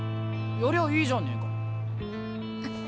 やりゃあいいじゃねえか。